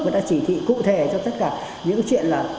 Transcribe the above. và đã chỉ thị cụ thể cho tất cả những chuyện là